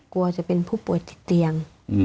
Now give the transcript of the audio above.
กลัวจะเป็นผู้ป่วยติดเตียง